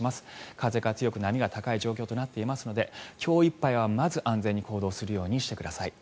風が強く波が高い状況となっていますので今日いっぱいはまず、安全に行動するようにしてください。